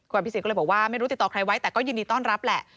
พี่เสกก็เลยบอกว่าไม่รู้ติดต่อใครไว้แต่ก็ยินดีต้อนรับแหละ